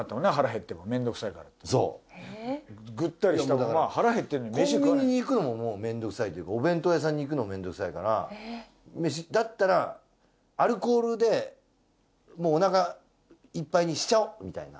だからコンビニに行くのももうめんどくさいというかお弁当屋さんに行くのめんどくさいからだったらアルコールでもうお腹いっぱいにしちゃおうみたいな。